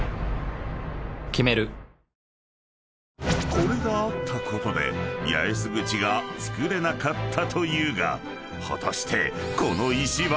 ［これがあったことで八重洲口が造れなかったというが果たして］